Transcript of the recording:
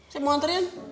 saya mau nganterin